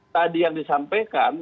tadi yang disampaikan